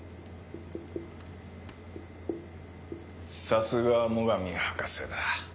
さすがは最上博士だ。